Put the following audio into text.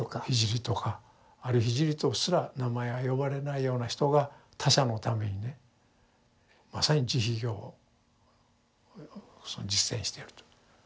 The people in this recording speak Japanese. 聖とかある聖とすら名前は呼ばれないような人が他者のためにねまさに慈悲行を実践してると。